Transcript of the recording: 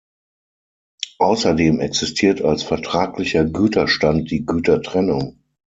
Außerdem existiert als vertraglicher Güterstand die Gütertrennung.